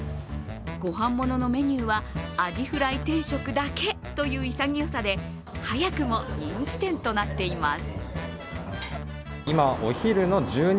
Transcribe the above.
ご飯もののメニューはアジフライ定食だけという潔さで早くも人気店となっています。